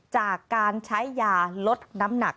จากการใช้ยาลดน้ำหนัก